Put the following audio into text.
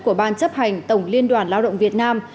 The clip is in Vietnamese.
của ban chấp hành tổng liên đoàn lao động việt nam